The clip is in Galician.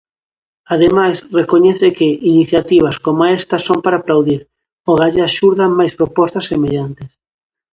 Ademais, recoñece que "iniciativas como esta son para aplaudir, ogallá xurdan máis propostas semellantes".